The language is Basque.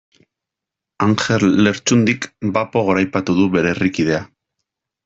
Anjel Lertxundik bapo goraipatu du bere herrikidea.